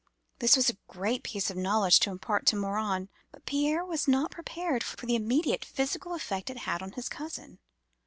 This was a great piece of knowledge to impart to Morin. But Pierre was not prepared for the immediate physical effect it had on his cousin.